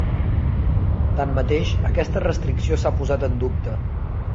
Tanmateix, aquesta restricció s'ha posat en dubte.